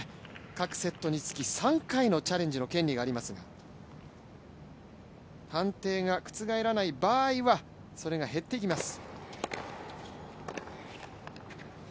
各セットにつき３回のチャレンジの権利がありますが、判定が覆らない場合は、それが減っていきます。